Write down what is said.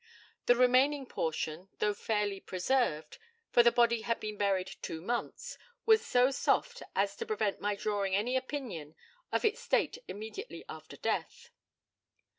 The remaining portion, though fairly preserved, for the body had been buried two months, was so soft as to prevent my drawing any opinion of its state immediately after death.